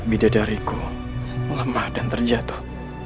bidadariku lemah dan terjatuh